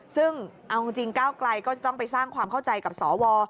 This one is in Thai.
ซึ่งเอาจริงก้าวไกลก็จะต้องไปสร้างความเข้าใจกับสว